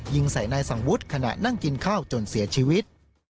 ยิงใส่นายสังวุฒิขณะนั่งกินข้าวจนเสียชีวิต